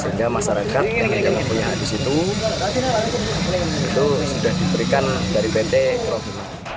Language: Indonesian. sehingga masyarakat yang tidak mempunyai hadis itu itu sudah diberikan dari pt provinsi